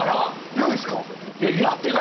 嫌ですか？